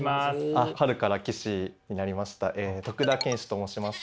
春から棋士になりました徳田拳士と申します。